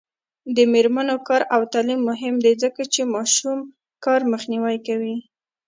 د میرمنو کار او تعلیم مهم دی ځکه چې ماشوم کار مخنیوی کوي.